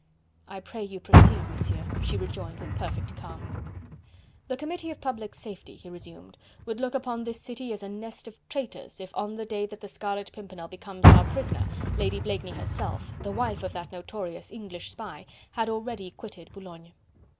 "I pray you proceed, Monsieur," she rejoined with perfect calm. "The Committee of Public Safety," he resumed, "would look upon this city as a nest of traitors if on the day that the Scarlet Pimpernel becomes our prisoner Lady Blakeney herself, the wife of that notorious English spy, had already quitted Boulogne.